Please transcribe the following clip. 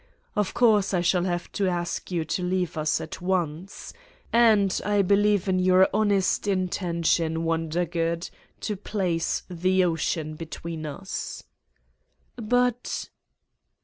Of course, I shall have to ask you to leave us at once. And I believe in your honest intention, Wondergood, to place the ocean between us. ..." "But